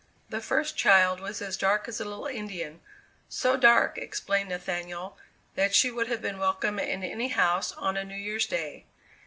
The first child was as dark as a little Indian, "so dark," explained Nathaniel, "that she would have been welcome in any house on a New Year's Day."